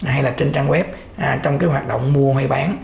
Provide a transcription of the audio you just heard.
hay là trên trang web trong cái hoạt động mua hay bán